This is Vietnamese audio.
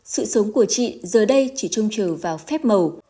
sự sống của chị giờ đây chỉ trông chờ vào phép màu